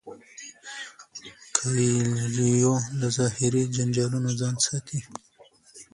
کویلیو له ظاهري جنجالونو ځان ساتي.